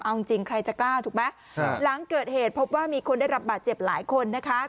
เอาจริงใครจะกล้าถูกไหมหลังเกิดเหตุพบว่ามีคนได้รับบาดเจ็บหลายคนนะคะ